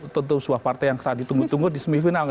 tentu sebuah partai yang saat ditunggu tunggu di semifinal